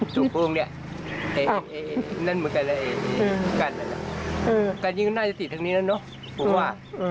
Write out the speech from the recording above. ตรงโค้งเนี่ยนั่นเหมือนกันแล้วไอ้กันอันนี้ก็น่าจะติดทางนี้แล้วเนาะผมว่า